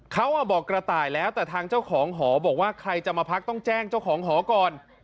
เขาบอกกระต่ายแล้วแต่ทางเจ้าของหอบอกว่าใครจะมาพักต้องแจ้งเจ้าของหอก่อน